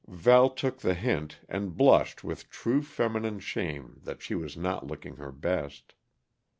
Val took the hint, and blushed with true feminine shame that she was not looking her best.